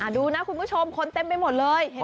ดูนะคุณผู้ชมคนเต็มไปหมดเลย